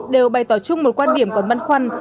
đều bày tỏ chung một quan điểm còn băn khoăn